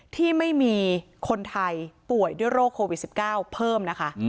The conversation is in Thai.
ที่ไม่มีคนไทยป่วยด้วยโรคโควิด๑๙เพิ่มนะคะ